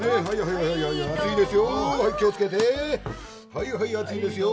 はいはい熱いですよ。